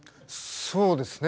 そうですね